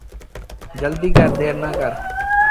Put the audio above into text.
جلديٚ ڪر دير نا ڪر۔